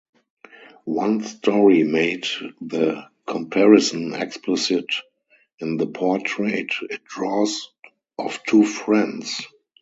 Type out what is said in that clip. One story made the comparison explicit in the portrait it draws of two friends.